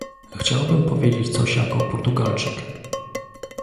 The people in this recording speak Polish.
Chciałbym powiedzieć coś jako Portugalczyk